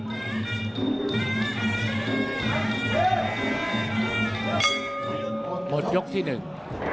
หมดยกที่หนึ่ง